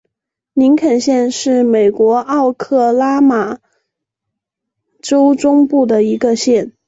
林肯县是美国奥克拉荷马州中部的一个县。